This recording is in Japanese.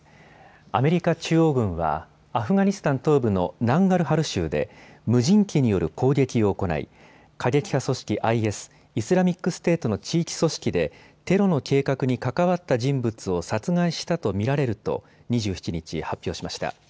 アメリカ中央軍はアフガニスタン東部のナンガルハル州で無人機による攻撃を行い過激派組織ＩＳ・イスラミックステートの地域組織でテロの計画に関わった人物を殺害したと見られると２７日、発表しました。